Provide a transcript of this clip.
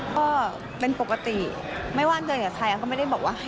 ก็เป็นปกติไม่ว่าเจอกับใครก็ไม่ได้บอกว่า